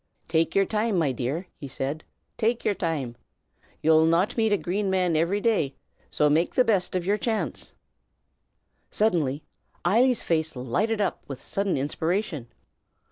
"Take yer time, my dear," he said, "take yer time! Ye'll not meet a Green Man every day, so make the best o' your chance!" Suddenly Eily's face lighted up with a sudden inspiration.